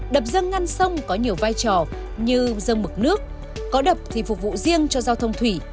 đập dâng ngăn sông có nhiều vai trò như dâng mực nước có đập thì phục vụ riêng cho giao thông thủy